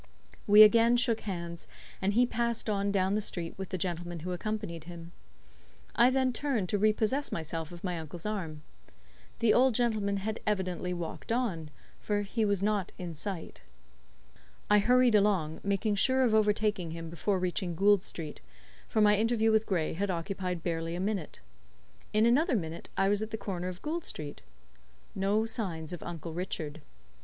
We again shook hands, and he passed on down the street with the gentleman who accompanied him. I then turned to re possess myself of my uncle's arm. The old gentleman had evidently walked on, for he was not in sight. I hurried along, making sure of overtaking him before reaching Gould Street, for my interview with Gray had occupied barely a minute. In another minute I was at the corner of Gould Street. No signs of Uncle Richard.